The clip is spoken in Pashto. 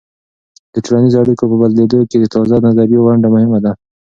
د ټولنیزو اړیکو په بدلیدو کې د تازه نظریو ونډه مهمه ده.